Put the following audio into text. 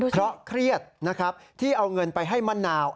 เพราะเครียดนะครับที่เอาเงินไปให้มะนาว